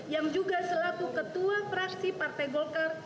yang juga selaku ketua fraksi partai golkar